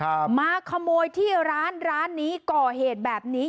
มาขโมยที่ร้านร้านนี้ก่อเหตุแบบนี้